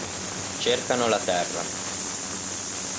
Cercano la terra.